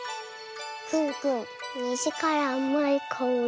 くんくんにじからあまいかおり。